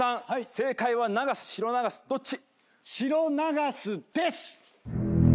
正解はナガスシロナガスどっち？」